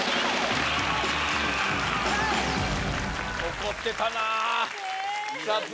怒ってたなねえ